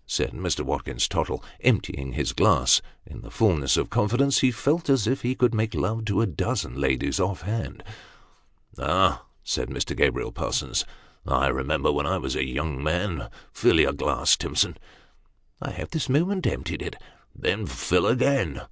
" said Mr. Watkins Tottle, emptying his glass. In the fulness of his confidence, he felt as if he could make love to a dozen ladies, off hand. " Ah !" said Mr. Gabriel Parsons, " I remember when I was a young man fill your glass, Timson." " I have this moment emptied it." " Then fill again."